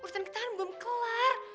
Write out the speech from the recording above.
urusan kita belum kelar